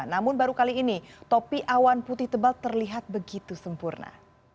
namun baru kali ini topi awan putih tebal terlihat begitu sempurna